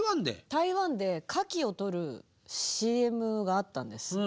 台湾でカキをとるＣＭがあったんです。